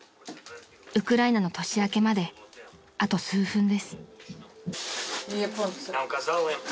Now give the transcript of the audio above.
［ウクライナの年明けまであと数分です］